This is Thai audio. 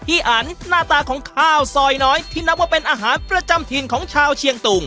อันหน้าตาของข้าวซอยน้อยที่นับว่าเป็นอาหารประจำถิ่นของชาวเชียงตุง